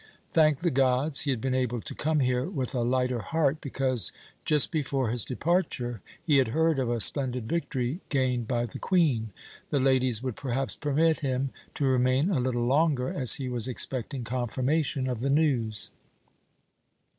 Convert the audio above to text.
Thank the gods, he had been able to come here with a lighter heart, because, just before his departure, he had heard of a splendid victory gained by the Queen. The ladies would perhaps permit him to remain a little longer, as he was expecting confirmation of the news.